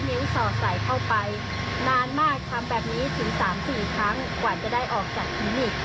เราได้คุยกับหมอไหมว่าทำไมถึงทำรักษาแต่เอาแบบนี้